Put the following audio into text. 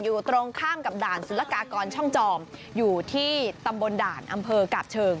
อยู่ตรงข้ามกับด่านสุรกากรช่องจอมอยู่ที่ตำบลด่านอำเภอกาบเชิง